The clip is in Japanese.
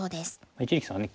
一力さんはね